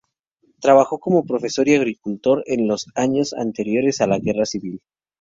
Trabajó como profesor y agricultor en los años anteriores a la Guerra Civil.